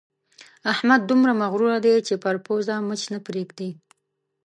احمد دومره مغروره دی چې پر پزه مچ نه پرېږدي.